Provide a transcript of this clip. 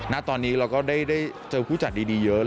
ณตอนนี้เราก็ได้เจอผู้จัดดีเยอะ